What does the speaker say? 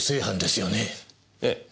ええ。